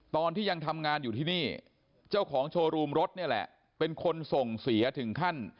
ตอนที่ยังทำงานอยู่ที่นี่เจ้าของโชว์รูมรถนี่แหละเป็นคนส่งเสียถึงขั้น